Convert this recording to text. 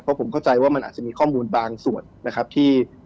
เพราะผมเข้าใจว่ามันอาจจะมีข้อมูลบางส่วนนะครับที่